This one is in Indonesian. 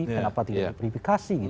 kenapa tidak di verifikasi